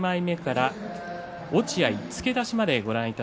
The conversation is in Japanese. １１枚目から落合付け出しまでです。